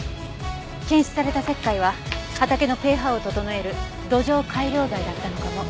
検出された石灰は畑のペーハーを整える土壌改良剤だったのかも。